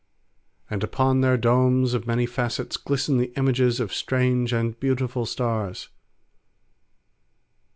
And upon their domes of many facets glisten the images of strange and beautiful stars.